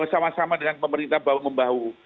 sama sama dengan pemerintah bahu membahu